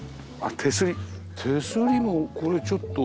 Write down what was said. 手すりもこれちょっと。